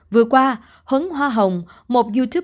vừa qua hấn hoa hồng một youtuber